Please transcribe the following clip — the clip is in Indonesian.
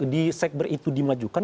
di sekber itu dimajukan